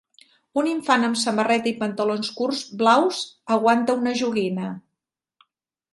Un infant amb samarreta i pantalons curts blaus aguanta una joguina.